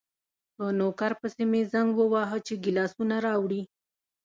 په نوکر پسې مې زنګ وواهه چې ګیلاسونه راوړي.